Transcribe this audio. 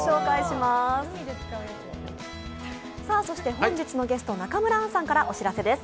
本日のゲスト、中村アンさんからお知らせです。